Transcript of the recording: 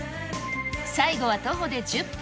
最後は徒歩で１０分。